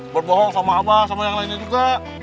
berbohong sama abah sama yang lainnya juga